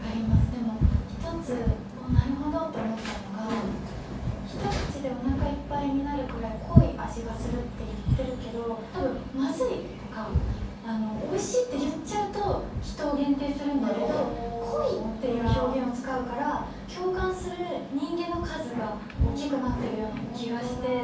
でも一つおっなるほどと思ったのが「一口でお腹いっぱいになるくらい濃い味がする」って言ってるけど多分「まずい」とか「おいしい」って言っちゃうと人を限定するんだけど「濃い」っていう表現を使うから共感する人間の数がおっきくなってるような気がして。